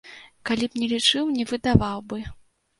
Калі б не лічыў, не выдаваў бы.